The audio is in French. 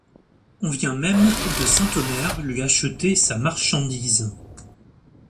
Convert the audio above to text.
On vient même de Saint-Omer lui acheter sa marchandise.